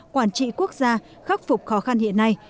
quản trị quốc gia khắc phục khó khăn hiện nay